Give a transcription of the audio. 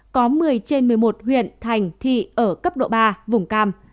có một mươi trên một mươi một huyện thành thị ở cấp độ ba vùng cam